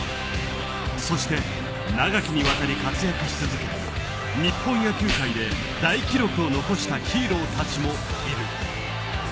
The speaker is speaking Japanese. そして、長きに渡り活躍し続け日本野球界で大記録を残したヒーローたちもいる。